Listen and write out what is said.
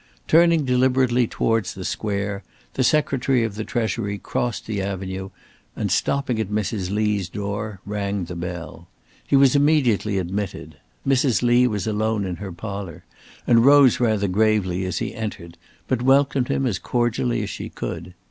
Turning deliberately towards the Square, the Secretary of the Treasury crossed the Avenue and stopping at Mrs. Lee's door, rang the bell. He was immediately admitted. Mrs. Lee was alone in her parlour and rose rather gravely as he entered, but welcomed him as cordially as she could.